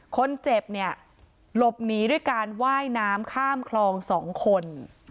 คนเจ็บเนี่ยหลบหนีด้วยการว่ายน้ำข้ามคลอง๒คน